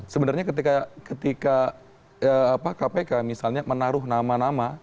sebenarnya ketika kpk misalnya menaruh nama nama